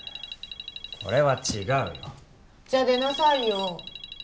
これは違うよじゃあ出なさいよ